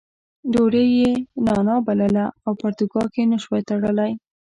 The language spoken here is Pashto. ډوډۍ یې نانا بلله او پرتوګاښ نه شوای تړلی.